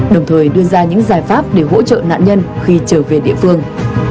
đồng thời đưa ra những giải pháp để hỗ trợ nạn nhân khi trở về địa phương